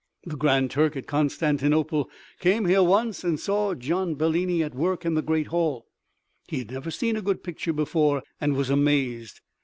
The Grand Turk at Constantinople came here once and saw Gian Bellini at work in the Great Hall. He had never seen a good picture before and was amazed.